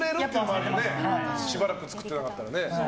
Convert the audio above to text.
しばらく作ってなかったらね。